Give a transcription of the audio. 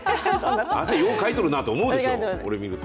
汗ようかいとるなと思うでしょ、俺見ると。